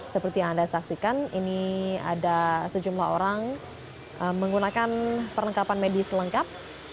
seperti yang anda saksikan ini ada sejumlah orang menggunakan perlengkapan medis lengkap